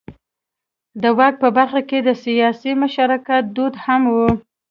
د واک په برخه کې د سیاسي مشارکت دود هم و.